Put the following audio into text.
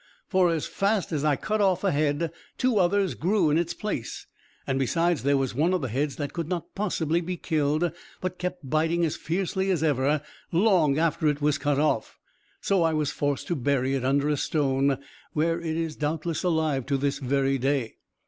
For, as fast as I cut off a head, two others grew in its place; and, besides, there was one of the heads that could not possibly be killed, but kept biting as fiercely as ever, long after it was cut off. So I was forced to bury it under a stone, where it is doubtless alive to this very day.